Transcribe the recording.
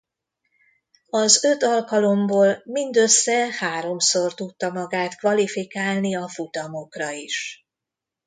Az öt alkalomból mindössze háromszor tudta magát kvalifikálni a futamokra is.